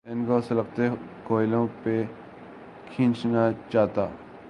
ان کو سلگتے کوئلوں پہ کھینچا جاتا۔